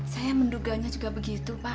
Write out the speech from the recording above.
saya menduga nya juga begitu pak